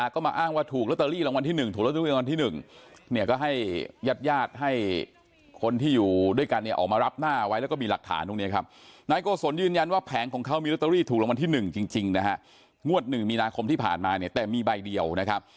ขอสาบานเลยท้าสาบานเลยว่ารางวัลที่๑ของเขาเนี่ยมีใบเดียวนะฮะ